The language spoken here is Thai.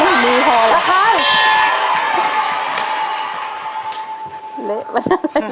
เละมากันเลย